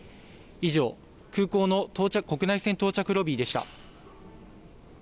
以上、空港の国内線到着ロビーでした。